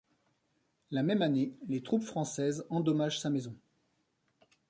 La même année, les troupes françaises endommagent sa maison.